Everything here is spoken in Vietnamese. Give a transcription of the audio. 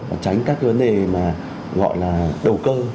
và tránh các vấn đề mà gọi là đầu cơ